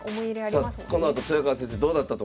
このあと豊川先生どうなったと思います？